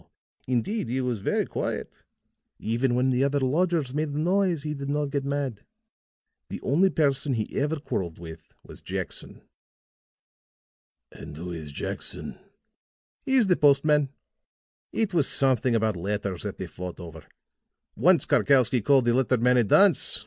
Indeed, he was very quiet. Even when the other lodgers made a noise he did not get mad. The only person he ever quarreled with was Jackson." "And who is Jackson?" "He is the postman. It was something about letters that they fought over. Once Karkowsky called the letter man a dunce.